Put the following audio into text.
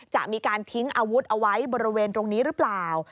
จะมีการทิ้งอาวุธเอาไว้บริเวณตรงนี้หรือเปล่า